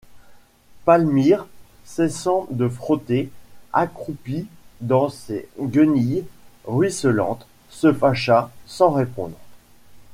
Palmyre, cessant de frotter, accroupie dans ses guenilles ruisselantes, se fâcha, sans répondre.